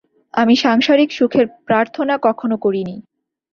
আমি সাংসারিক সুখের প্রার্থনা কখনও করিনি।